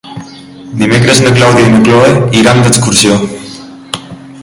Dimecres na Clàudia i na Cloè iran d'excursió.